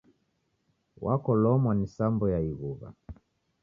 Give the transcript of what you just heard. Wakolomwa ni sambo ya ighuwa.